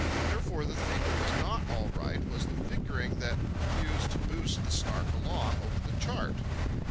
Therefore the thing that was not all right was the figuring that refused to boost the Snark along over the chart.